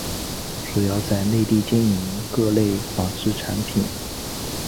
主要在内地经营各类纺织产品。